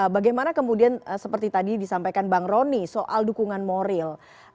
bagaimana kemudian seperti tadi disampaikan bang roni soal dukungan moral